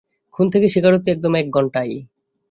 খুন থেকে স্বীকারোক্তি, একদম এক ঘণ্টায়।